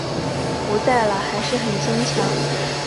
不在了还是很坚强